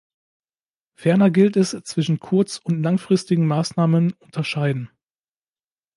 Ferner gilt es, zwischen kurz- und langfristigen Maßnahmen unterscheiden.